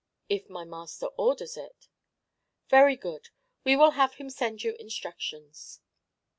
"If my master orders it." "Very good. We will have him send you instructions."